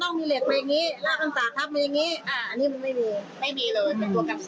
ต้องมีเหล็กมาอย่างงี้ลากันซานมาอย่างงี้อันนี้มันไม่มี